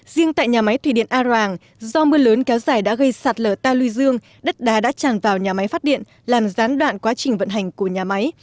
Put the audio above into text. riêng tại nhà máy thủy điện a ràng do mưa lớn kéo dài đã gây sạt lở ta lưu dương đất đá đã tràn vào nhà máy phát điện làm gián đoạn quá trình vận hành của nhà máy